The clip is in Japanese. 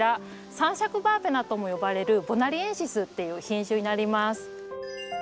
三尺バーベナとも呼ばれるボナリエンシスっていう品種になります。